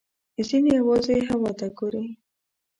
ځینې یوازې هوا ته ګوري.